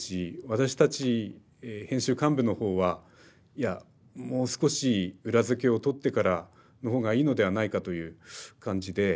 私たち編集幹部の方は「いやもう少し裏付けをとってからの方がいいのではないか」という感じで。